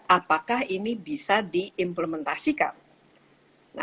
apakah ini bisa diimplementasikan